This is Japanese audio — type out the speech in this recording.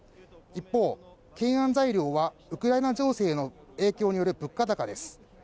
一方、懸案材料はウクライナ情勢の影響による物価高です。